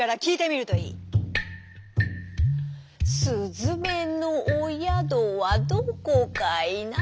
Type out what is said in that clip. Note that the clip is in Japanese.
「すずめのおやどはどこかいな」